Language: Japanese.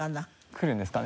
来るんですか？